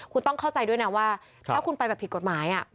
คุณต้องเข้าใจด้วยนะว่าถ้าคุณไปแบบผิดกฎหมาย